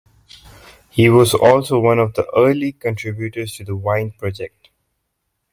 He was also one of the early contributors to the Wine project.